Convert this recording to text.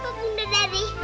buat apa bunda dari